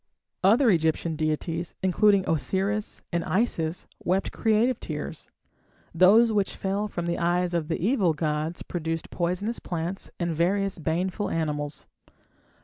Other Egyptian deities, including Osiris and Isis, wept creative tears. Those which fell from the eyes of the evil gods produced poisonous plants and various baneful animals.